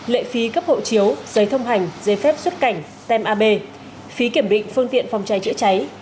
lệ phí cấp hộ chiếu giấy thông hành giấy phép xuất cảnh tem ab phí kiểm định phương tiện phòng cháy chữa cháy